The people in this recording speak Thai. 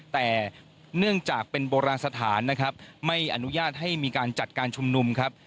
แต่เนื่องจากเป็นโบราณสถานนะครับไม่อนุญาตให้มีการจัดการชุมนุมครับ